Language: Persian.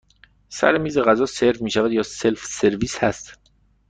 سر میز غذا سرو می شود یا سلف سرویس هست؟